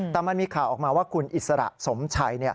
แต่มันมีข่าวออกมาว่าคุณอิสระสมชัย